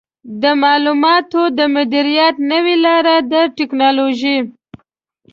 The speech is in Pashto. د معلوماتو د مدیریت نوې لارې د ټکنالوژۍ